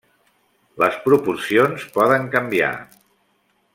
Les proporcions poden canviar.